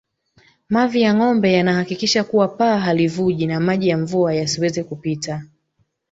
Mavi ya ngombe yanahakikisha kuwa paa halivuji na maji ya mvua yasiweze kupita